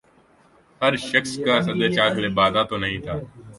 ہر شخص کا صد چاک لبادہ تو نہیں تھا